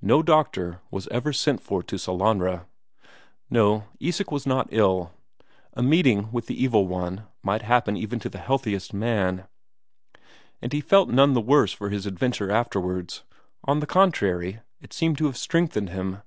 No doctor was ever Sent for to Sellanraa. No, Isak was not ill. A meeting with the Evil One might happen even to the healthiest man. And he felt none the worse for his adventure afterwards; on the contrary, it seemed to have strengthened him.